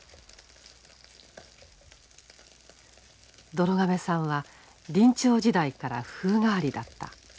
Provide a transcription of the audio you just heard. どろ亀さんは林長時代から風変わりだった。